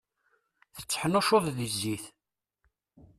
Tteḥnuccuḍ di zzit.